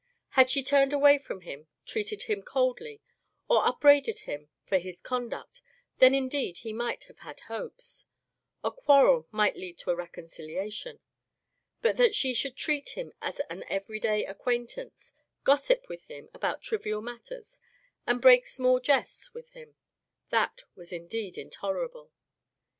Had she turned away from him, treated him coldly, or upbraided him for his conduct, then indeed he might have had hopes. A quarrel might lead to a reconciliation. But that she should treat him as an everyday acquaintance, gossip with him about trivial matters, and break small jests with him, that was indeed intolerable.